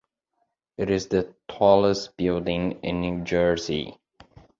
It is the tallest building in New Jersey.